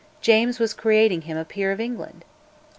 James was creating him a peer of England!